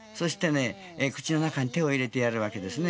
口の中に手を入れてやるわけですね。